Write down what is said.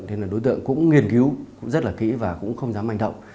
thế nên là đối tượng cũng nghiên cứu rất là kỹ và cũng không dám manh động